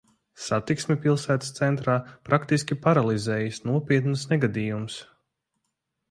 Satiksmi pilsētas centrā praktiski paralizējis nopietns negadījums.